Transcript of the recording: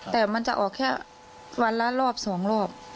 แต่มันจะออกแค่วันละรอบ๒รอบ